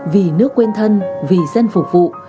vì nước quên thân vì dân phục vụ